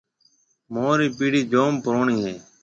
مهورِي پيڙهيَ جوم پُروڻِي هيَ۔